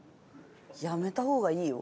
やめた方がいいよ。